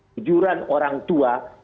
kejujuran orang tua